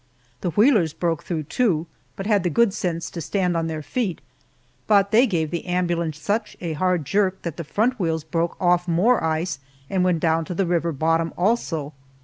The wheelers broke through, too, but had the good sense to stand on their feet, but they gave the ambulance such a hard jerk that the front wheels broke off more ice and went down to the river bottom, also.